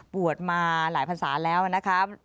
มาหลายภาษาแล้วนะครับ